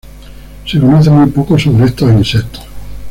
Se conoce muy poco sobre estos insectos.